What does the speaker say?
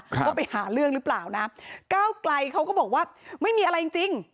ว่าไปหาเรื่องหรือเปล่านะก้าวไกลเขาก็บอกว่าไม่มีอะไรจริงจริง